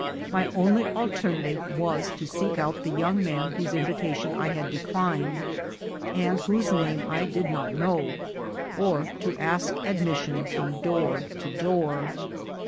My only alternative was to seek out the young man whose invitation I had declined, and whose name I did not know, or to ask admission from door to door.